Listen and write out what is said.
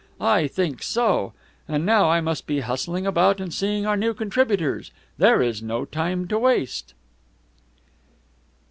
I think so. And now I must be hustling about and seeing our new contributors. There is no time to waste."